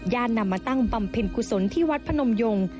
นำมาตั้งบำเพ็ญกุศลที่วัดพนมยง